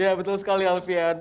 iya betul sekali naufian